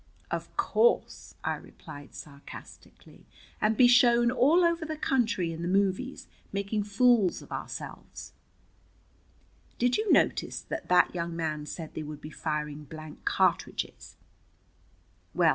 "Of course," I replied sarcastically; "and be shown all over the country in the movies making fools of ourselves." "Did you notice that that young man said they would be firing blank cartridges?"